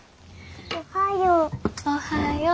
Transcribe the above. おはよう。